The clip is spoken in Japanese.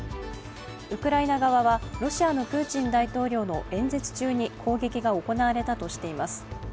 ウクライナ側はロシアのプーチン大統領の演説中に攻撃が行われたとしています。